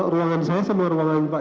terus yang menyerahkan ke pak